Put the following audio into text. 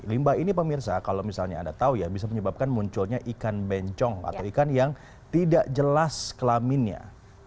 limba ini pemirsa kalau misalnya anda tahu ya bisa menyebabkan munculnya ikan bencong atau ikan yang tidak jelas kelaminnya